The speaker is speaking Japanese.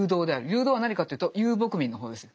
流動は何かというと遊牧民の方です。